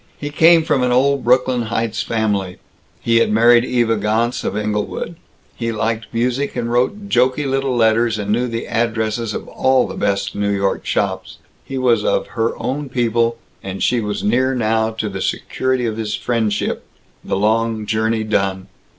He came from an old Brooklyn Heights family. He had married Eva Gontz of Englewood. He liked music and wrote jokey little letters and knew the addresses of all the best New York shops. He was of Her Own People, and she was near now to the security of his friendship, the long journey done.